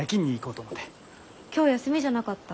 今日休みじゃなかった？